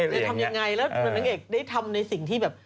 จะทำยังไงแล้วนางเอกได้ทำในสิ่งที่แบบ